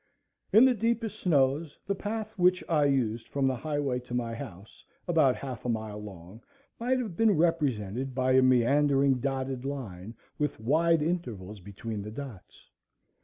In the deepest snows, the path which I used from the highway to my house, about half a mile long, might have been represented by a meandering dotted line, with wide intervals between the dots.